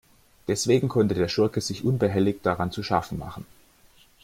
Deswegen konnte der Schurke sich unbehelligt daran zu schaffen machen.